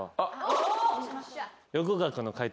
横川君の解答